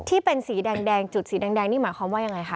ที่เป็นสีแดงจุดสีแดงนี่หมายความว่ายังไงคะ